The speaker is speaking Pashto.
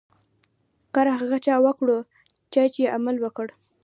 کار هغه چا وکړو، چا چي عمل وکړ.